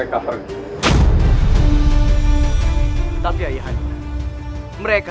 ada mereka ayang bagi mereka